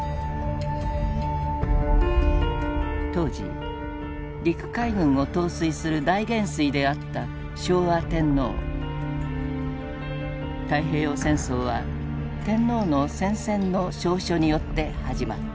当時陸海軍を統帥する大元帥であった太平洋戦争は天皇の宣戦の詔書によって始まった。